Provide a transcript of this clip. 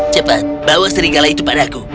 cepat bawa seringkala itu padaku